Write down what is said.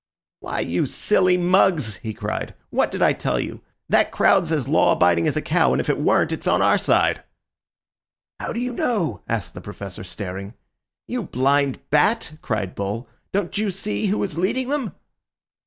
"Why, you silly mugs!" he cried, "what did I tell you. That crowd's as law abiding as a cow, and if it weren't, it's on our side." "How do you know?" asked the professor, staring. "You blind bat," cried Bull, "don't you see who is leading them?"